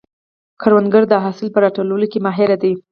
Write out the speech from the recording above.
کروندګر د حاصل په راټولولو کې ماهر دی